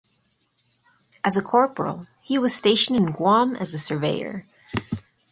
As a corporal, he was stationed in Guam as a surveyor.